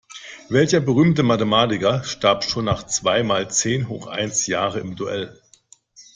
Welcher berühmte Mathematiker starb schon mit zwei mal zehn hoch eins Jahren im Duell?